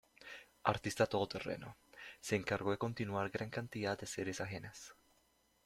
Artista todoterreno, se encargó de continuar gran cantidad de series ajenas.